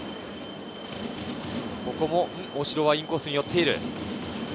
大城はインコースに寄っている。